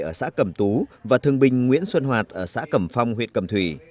ở xã cầm tú và thương bình nguyễn xuân hoạt ở xã cầm phong huyện cầm thủy